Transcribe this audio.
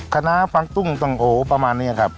คณะฟักตุ้งสั่งโอประมาณนี้ครับ